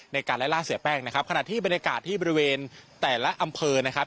ในการไล่ล่าเสียแป้งนะครับขณะที่บรรยากาศที่บริเวณแต่ละอำเภอนะครับ